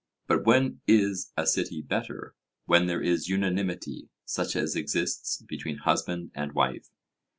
But when is a city better? 'When there is unanimity, such as exists between husband and wife.'